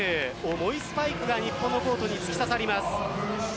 重いスパイクが日本のコートに突き刺さります。